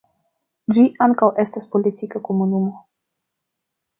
Ĝi ankaŭ estas politika komunumo.